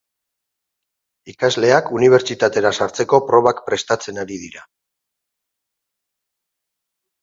Ikasleak unibertsitatera sartzeko probak prestatzen ari dira.